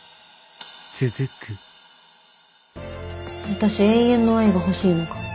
私永遠の愛が欲しいのかも。